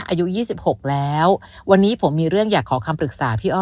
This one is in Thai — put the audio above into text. อายุ๒๖แล้ววันนี้ผมมีเรื่องอยากขอคำปรึกษาพี่อ้อ